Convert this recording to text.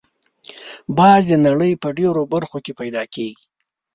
باز د نړۍ په ډېرو برخو کې پیدا کېږي